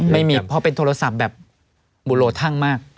ไม่มีเพราะเป็นโทรศัพท์แบบบุโลทั่งมาก